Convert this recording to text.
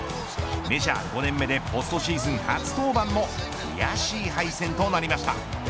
メジャー５年目でポストシーズン初登板も悔しい敗戦となりました。